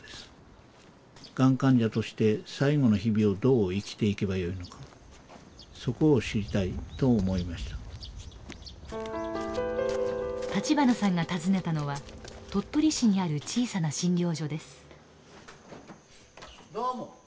がん患者として最後の日々をどう生きていけばよいのかそこを知りたいと思いました立花さんが訪ねたのは鳥取市にある小さな診療所です。